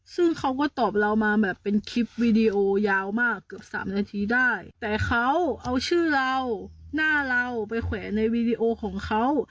ซึ่งเขาก็ตอบเรามาแบบเป็นคลิปวีดีโอยาวมากเกือบสามนาทีได้แต่เขาเอาชื่อเราหน้าเราไปแขวนในวีดีโอของเขา